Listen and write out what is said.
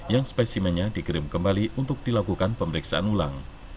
yang spesimennya dikirim kembali untuk dilakukan pemeriksaan ulang